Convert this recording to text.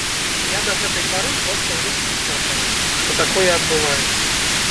Я да гэтай пары, проста, у лёгкім стопары, што такое адбываецца.